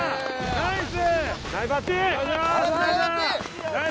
ナイス！